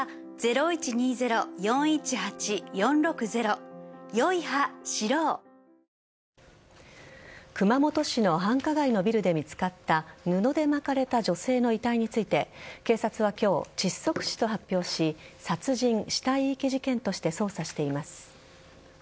台風の動きが比較的遅いため明日からあさってにかけて沖縄地方で熊本市の繁華街のビルで見つかった布で巻かれた女性の遺体について警察は今日、窒息死と発表し殺人死体遺棄事件として捜査しています。